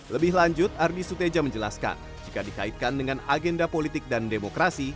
lebih lanjut ardi suteja menjelaskan jika dikaitkan dengan agenda politik dan demokrasi